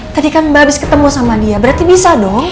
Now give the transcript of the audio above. tadi kan mbak habis ketemu sama dia berarti bisa dong